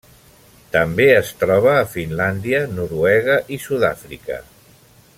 També es troba a Finlàndia, Noruega i Sud-àfrica.